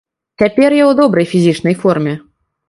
Цяпер я ў добрай фізічнай форме.